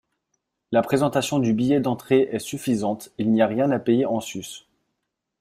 La présentation du billet d’entrée est suffisante, il n’y a rien à payer en sus.